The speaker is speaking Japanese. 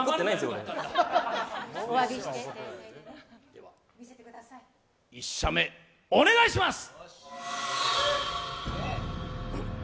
では１射目お願いします。